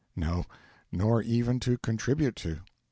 No, nor even to contribute to.